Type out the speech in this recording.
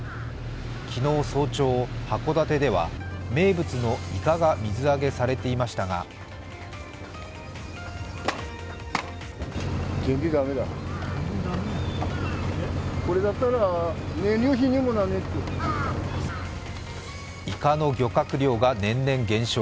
昨日早朝、函館では名物のイカが水揚げされていましたがいかの漁獲量が年々減少。